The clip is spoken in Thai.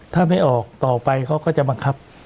ถ้าไม่ออกต่อไปก็มากขับ